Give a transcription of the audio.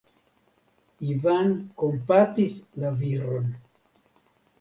Ivan kompatis la viron.